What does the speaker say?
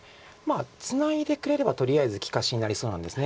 ツナいでくれればとりあえず利かしになりそうなんです。